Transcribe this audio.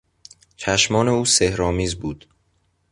چشمان او سحرآمیز بود.